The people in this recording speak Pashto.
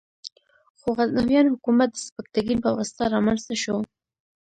خو غزنویان حکومت د سبکتګین په واسطه رامنځته شو.